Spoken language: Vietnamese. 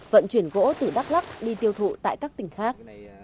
vận chuyển gỗ từ đắk lắc đi tiêu thụ tại các tỉnh khác